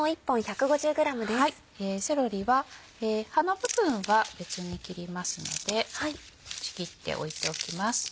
セロリは葉の部分は別に切りますのでちぎっておいておきます。